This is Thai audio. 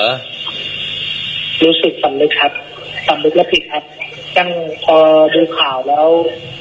รู้สึกสำนึกครับสำนึกแล้วผิดครับตั้งพอดูข่าวแล้ว